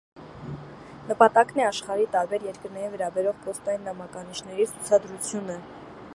Նպատակն է աշխարհի տարբեր երկրներին վերաբերող փոստային նամականիշների ցուցադրությունը։